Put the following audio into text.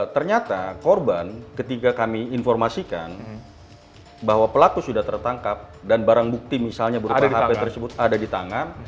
ternyata korban ketika kami informasikan bahwa pelaku sudah tertangkap dan barang bukti misalnya berupa hp tersebut ada di tangan